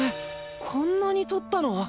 こんなに取ったの？